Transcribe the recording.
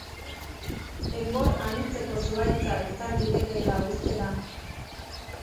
Enbor anitzeko zuhaitza izan litekeela uste da.